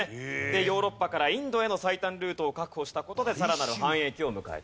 ヨーロッパからインドへの最短ルートを確保した事でさらなる繁栄期を迎えた。